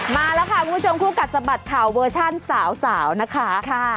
มาแล้วค่ะคุณผู้ชมคู่กัดสะบัดข่าวเวอร์ชันสาวนะคะ